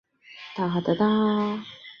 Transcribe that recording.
协议针对伊朗核问题。